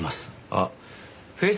あっフェイス